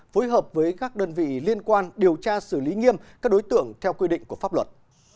phối hợp với các đơn vị liên quan điều tra xử lý nghiêm các đối tượng theo quy định của pháp luật